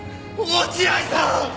落合さん！！